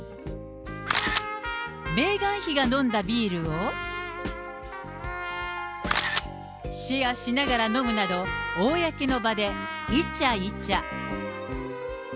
メーガン妃が飲んだビールを、シェアしながら飲むなど、公の場でイチャイチャ。